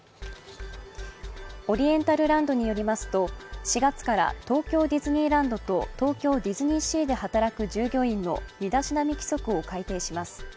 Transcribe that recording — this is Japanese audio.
オリエンタルランドによりますと４月から東京ディズニーランドと東京ディズニーシーで働く従業員の身だしなみ規則を改訂します。